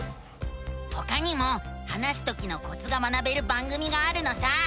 ほかにも話すときのコツが学べる番組があるのさ！